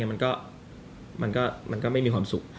มันก็ไม่มีความสุข